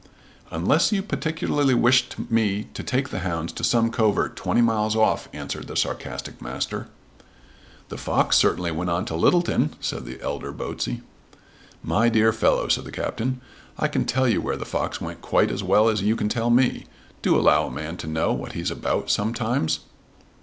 "Unless you particularly wish me to take the hounds to some covert twenty miles off," answered the sarcastic Master. "The fox certainly went on to Littleton," said the elder Botsey. "My dear fellow," said the Captain, "I can tell you where the fox went quite as well as you can tell me. Do allow a man to know what he's about some times."